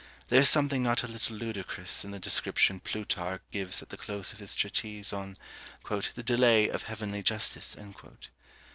There is something not a little ludicrous in the description Plutarch gives at the close of his treatise on "the delay of heavenly justice."